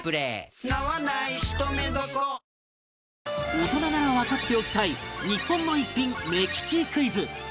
大人ならわかっておきたい日本の逸品目利きクイズ